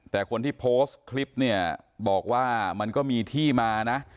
แต่คนที่โพสต์คลิปเนี่ยบอกว่ามันก็มีที่มานะ